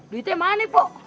duitnya mana poh